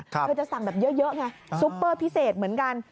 เธอจะสั่งแบบเยอะไงซุปเปอร์พิเศษเหมือนกัน